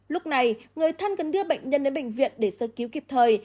lúc này người thân cần đưa bệnh nhân đến bệnh viện để sơ cứu kịp thời